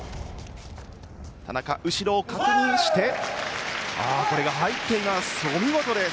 田中、後ろを確認してこれが入っています。